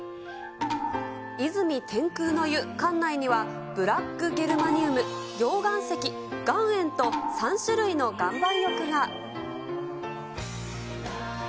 泉天空の湯、館内にはブラックゲルマニウム、溶岩石、岩塩と、３種類の岩盤浴が。